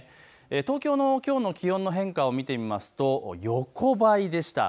東京のきょうの気温の変化を見てみますと横ばいでした。